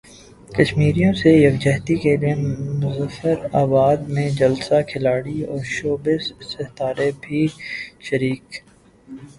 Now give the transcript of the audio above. کشمیریوں سے یکجہتی کیلئے مظفر اباد میں جلسہ کھلاڑی اور شوبز ستارے بھی شریک